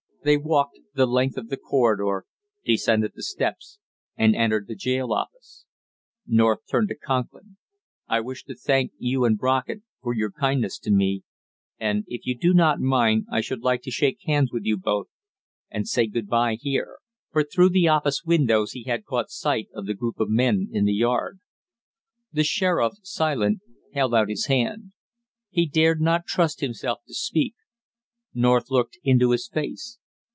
They walked the length of the corridor, descended the stairs, and entered the jail office. North turned to Conklin. "I wish to thank you and Brockett for your kindness to me, and if you do not mind I should like to shake hands with you both and say good by here," for through the office windows he had caught sight of the group of men in the yard. The sheriff, silent, held out his hand. He dared not trust himself to speak. North looked into his face.